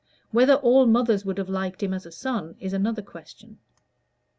Whether all mothers would have liked him as a son is another question.